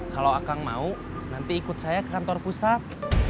kalau akang mau nanti ikut saya ke kantor pusat